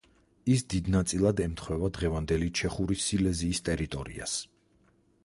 ის დიდ ნაწილად ემთხვევა დღევანდელი ჩეხური სილეზიის ტერიტორიას.